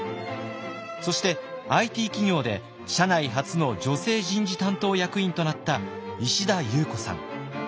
そしてＩＴ企業で社内初の女性人事担当役員となった石田裕子さん。